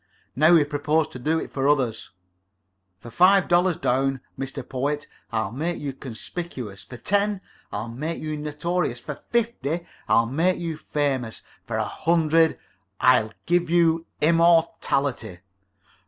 Now we propose to do it for others. For five dollars down, Mr. Poet, I'll make you conspicuous; for ten, I'll make you notorious; for fifty, I'll make you famous; for a hundred, I'll give you immortality."